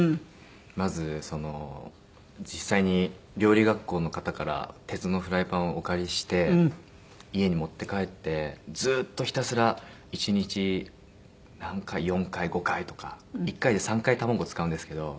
まず実際に料理学校の方から鉄のフライパンをお借りして家に持って帰ってずっとひたすら１日何回４回５回とか１回で３回卵使うんですけど。